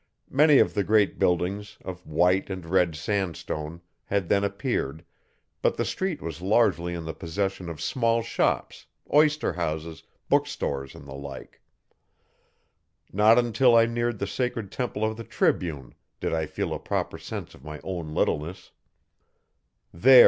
Many of the great buildings, of white and red sandstone, had then appeared, but the street was largely in the possession of small shops oyster houses, bookstores and the like. Not until I neared the sacred temple of the Tribune did I feel a proper sense of my own littleness.